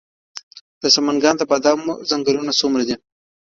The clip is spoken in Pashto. د سمنګان د بادامو ځنګلونه څومره دي؟